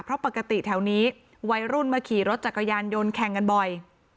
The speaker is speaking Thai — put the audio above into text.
เพราะปกติแถวนี้วัยรุ่นมาขี่รถจักรยานยนต์แข่งกันบ่อย